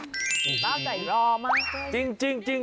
พี่เบาใจรอมาก